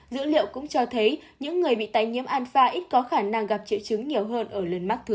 dữ liệu cũng cho thấy những người bị tái nhiễm alpha ít có khả năng gặp triệu chứng nhiều hơn ở lần mắc thứ hai